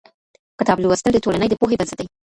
کتاب لوستل د ټولنې د پوهې بنسټ دی.